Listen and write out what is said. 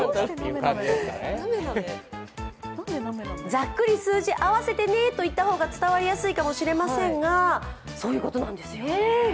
ざっくり数字合わせてねと言った方が伝わりやすいと思いますがそういうことなんですよ。